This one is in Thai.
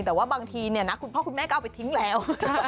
แต่ว่าบางทีเนี่ยนะคุณพ่อคุณแม่ก็เอาไปทิ้งแล้ว